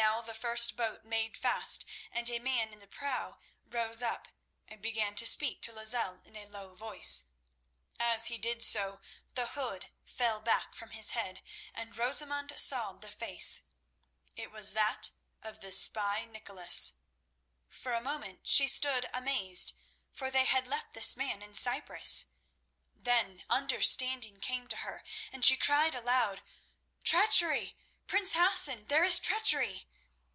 Now the first boat made fast and a man in the prow rose up and began to speak to Lozelle in a low voice. As he did so the hood fell back from his head, and Rosamund saw the face. It was that of the spy Nicholas! For a moment she stood amazed, for they had left this man in Cyprus; then understanding came to her and she cried aloud: "Treachery! Prince Hassan, there is treachery."